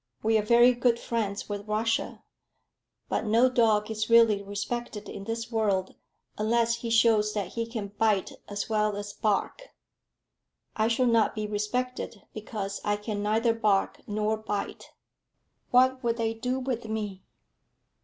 We are very good friends with Russia; but no dog is really respected in this world unless he shows that he can bite as well as bark." "I shall not be respected, because I can neither bark nor bite. What will they do with me?"